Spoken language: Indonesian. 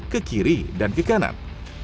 ke kiri dan ke kanan